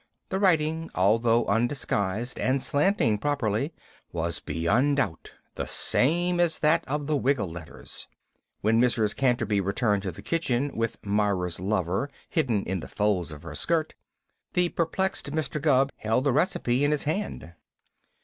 The writing, although undisguised and slanting properly, was beyond doubt the same as that of the Wiggle letters. When Mrs. Canterby returned to the kitchen with "Myra's Lover" hidden in the folds of her skirt, the perplexed Mr. Gubb held the recipe in his hand.